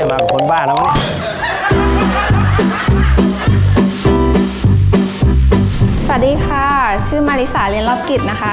มากับคนบ้าสวัสดีค่ะชื่อมาริสาเรียนรอบกิฟต์นะคะ